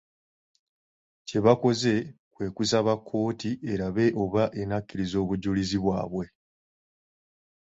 Kye bakoze kwe kusaba kkooti erabe oba enakkiriza obujulizi bwabwe.